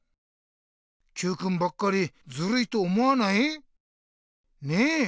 Ｑくんばっかりずるいと思わない？ねえ？